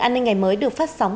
an ninh ngày mới được phát sóng